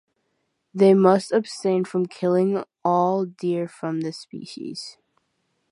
They must abstain from killing all deer of this species.